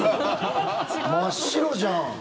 真っ白じゃん！